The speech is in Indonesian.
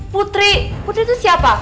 putri putri itu siapa